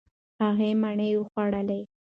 هغې مڼې وخوړلې.